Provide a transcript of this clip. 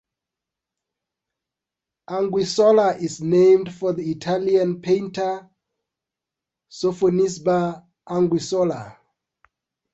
Anguissola is named for the Italian painter Sofonisba Anguissola.